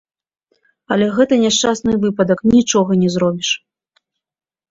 Але гэта няшчасны выпадак, нічога не зробіш.